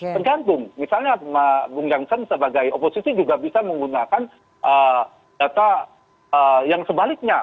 tergantung misalnya bung jansen sebagai oposisi juga bisa menggunakan data yang sebaliknya